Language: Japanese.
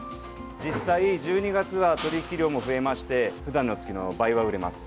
実際、１２月は取引量も増えまして普段の月の倍は売れます。